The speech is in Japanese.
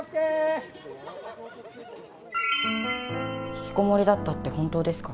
ひきこもりだったって本当ですか？